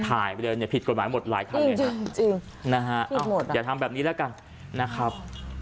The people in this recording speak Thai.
ถ่ายไปเลยเนี่ยผิดกฎหมายหมดหลายครั้งเลยครับจริงจริงจริงนะฮะอ้าวอย่าทำแบบนี้แล้วกันนะครับ